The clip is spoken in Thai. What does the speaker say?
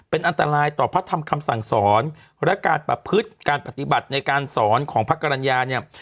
เป็นอันตรายต่อพระธรรมคำสั่งสอนและการประพฤติการปฏิบัติในการสอนของพระกรรณญาเนี่ย